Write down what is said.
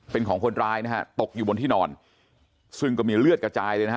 เป็นของคนร้ายนะฮะตกอยู่บนที่นอนซึ่งก็มีเลือดกระจายเลยนะฮะ